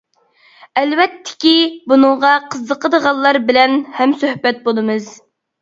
ئەلۋەتتىكى بۇنىڭغا قىزىقىدىغانلار بىلەن ھەمسۆھبەت بولىمىز.